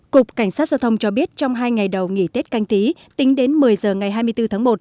cục cảnh sát giao thông cho biết trong hai ngày đầu nghỉ tết canh tí tính đến một mươi giờ ngày hai mươi bốn tháng một